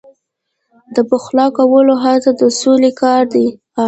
د پخلا کولو هڅه د سولې کار دی.